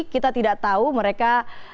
kita tidak tahu mereka